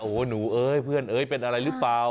โอ้โหหนูเอ้ยเพื่อนเอ้ยเป็นอะไรหรือเปล่า